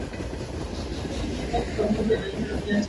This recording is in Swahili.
lugha ambayo huzaliwa kutokana na kukutanika kwa